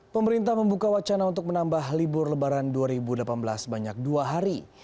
pemerintah membuka wacana untuk menambah libur lebaran dua ribu delapan belas banyak dua hari